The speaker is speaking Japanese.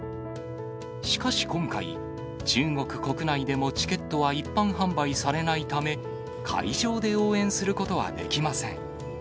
しかし今回、中国国内でもチケットは一般販売されないため、会場で応援することはできません。